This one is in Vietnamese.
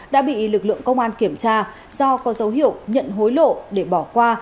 đã bị lực lượng công an kiểm tra do có dấu hiệu nhận hối lộ để bỏ qua